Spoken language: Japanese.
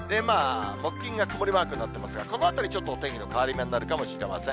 木金が曇りマークになってますが、このあたり、ちょっとお天気の変わり目になるかもしれません。